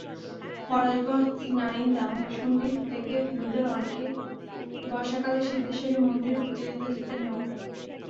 ফরাশগঞ্জ, নারিন্দা, মৈশুণ্ডি থেকে হিন্দুদের অনেকে বর্ষাকালে সিদ্ধেশ্বরী মন্দিরে পূজা দিতে যেতেন নৌকায়।